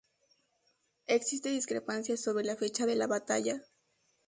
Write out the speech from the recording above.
Existe discrepancia sobre la fecha de la batalla.